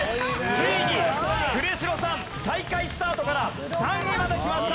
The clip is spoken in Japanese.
ついに呉城さん最下位スタートから３位まできました！